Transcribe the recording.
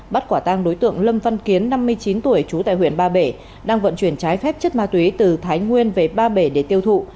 bắt quả tang đối tượng lâm văn kiến năm mươi chín tuổi trú tại huyện ba bể đang vận chuyển trái phép chất ma túy từ thái nguyên về ba bể để tiêu thụ